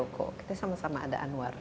kok kita sama sama ada anwar